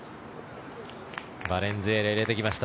バレンズエラ入れてきました。